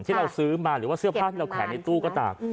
ที่เราซื้อมาหรือว่าเสื้อผ้าที่เราแขวนในตู้ก็ตาม